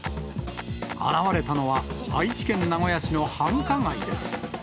現れたのは、愛知県名古屋市の繁華街です。